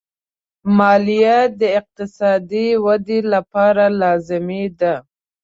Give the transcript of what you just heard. مالیه د اقتصادي ودې لپاره لازمي ده.